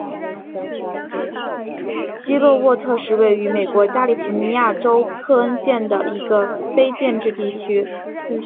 基洛沃特是位于美国加利福尼亚州克恩县的一个非建制地区。